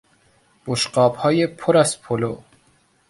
بشقابهای پر از پلو